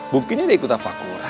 mungkin dia ikut tafakuran